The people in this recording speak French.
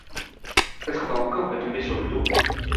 Est-ce qu’on va encore me tomber sur le dos?